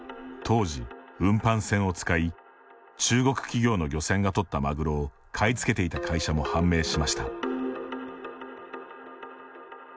さらに、当時、運搬船を使い中国企業の漁船が取ったマグロを買い付けていた会社も判明しました。